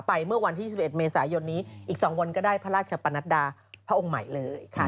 เมื่อวันที่๒๑เมษายนนี้อีก๒วันก็ได้พระราชปนัดดาพระองค์ใหม่เลย